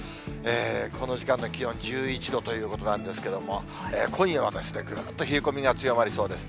この時間の気温１１度ということなんですけれども、今夜はですね、ぐっと冷え込みが強まりそうです。